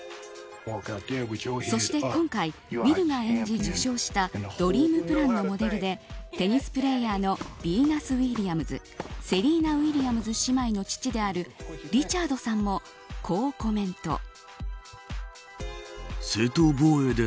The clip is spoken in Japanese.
そして今回ウィルが演じ、受賞したドリームプランのモデルでテニスプレーヤーのビーナス・ウィリアムズセリーナ・ウィリアムズ姉妹の父であるリチャードさんもこうコメント。